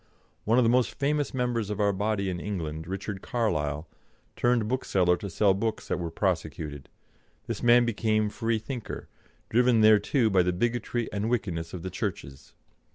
One of the most famous members of our body in England, Richard Carlile, turned bookseller to sell books that were prosecuted. This man became Free thinker, driven thereto by the bigotry and wickedness of the Churches.